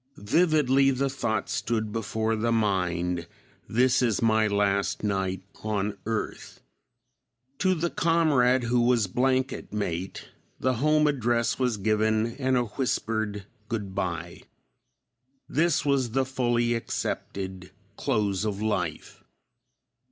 Vividly the thought stood before the mind, "This is my last night on earth." To the comrade who was blanket mate the home address was given and a whispered good bye. This was the fully accepted close of life.